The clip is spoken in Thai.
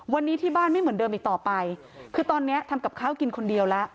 วันนี้ที่บ้านไม่เหมือนเดิมอีกต่อไปคือตอนนี้ทำกับข้าวกินคนเดียวแล้ว